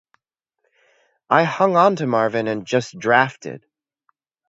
I hung on to Marvin and just drafted.